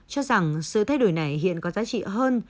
cho rằng sự thay đổi này hiện có giá trị hơn